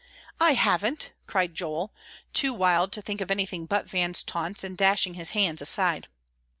"I haven't," cried Joel, too wild to think of anything but Van's taunts, and dashing his hands aside.